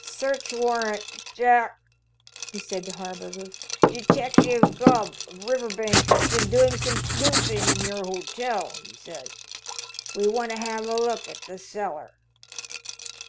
"Search warrant, Jack," he said to Harburger. "Detective Gubb, of Riverbank, has been doing some sleuthing in your hotel, he says. We want to have a look at the cellar."